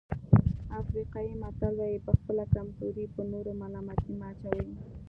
افریقایي متل وایي په خپله کمزوري پر نورو ملامتي مه اچوئ.